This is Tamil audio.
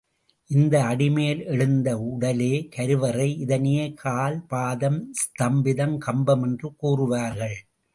இந்த அடிமேல் எழுந்த உடலே கருவறை, இதனையே கால், பாதம், ஸ்தம்பம், கம்பம் என்று கூறுவார்கள்.